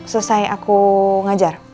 selesai aku ngajar